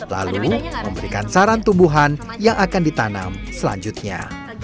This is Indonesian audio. lalu memberikan saran tumbuhan yang akan ditanam selanjutnya